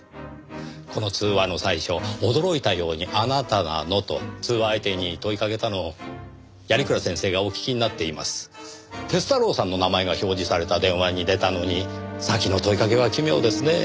この通話の最初驚いたように「あなたなの？」と通話相手に問いかけたのを鑓鞍先生がお聞きになっています。鐵太郎さんの名前が表示された電話に出たのに先の問いかけは奇妙ですねぇ。